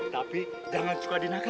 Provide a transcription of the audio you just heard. tapi jangan suka dinakal